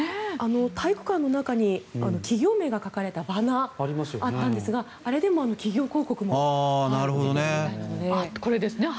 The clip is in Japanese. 体育館の中に企業名が書かれたバナーがあったんですがあれでも企業広告も出ているみたいなので。